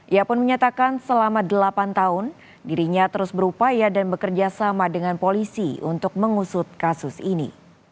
ia pun menyatakan selama delapan tahun dirinya terus berupaya dan bekerja sama dengan polisi untuk mengusut kasus ini